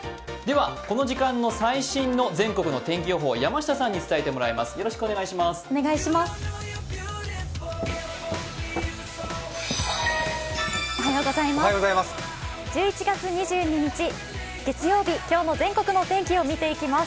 この時間の最新の全国の天気予報、山下さんに伝えてもらいます。